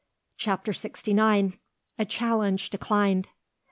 CHAPTER SIXTY NINE. A CHALLENGE DECLINED.